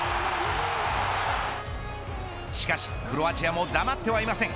しかしクロアチアも黙ってはいません。